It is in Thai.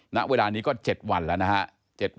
ณเวลานี้ก็๗วันแล้วนะฮะ